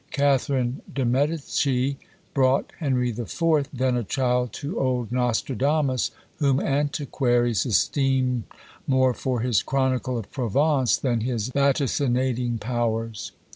Catherine de Medicis brought Henry IV., then a child, to old Nostradamus, whom antiquaries esteem more for his chronicle of Provence than his vaticinating powers.